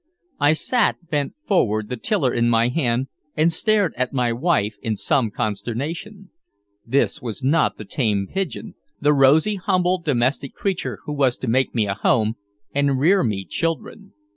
I sat, bent forward, the tiller in my hand, and stared at my wife in some consternation. This was not the tame pigeon, the rosy, humble, domestic creature who was to make me a home and rear me children.